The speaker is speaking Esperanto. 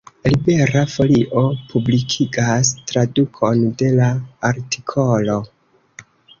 Libera Folio publikigas tradukon de la artikolo.